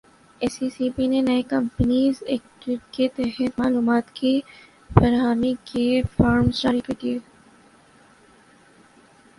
S E C P نے نئے companies act کے تحت معلومات کی فراہمی کے فارمز جاری کردیئے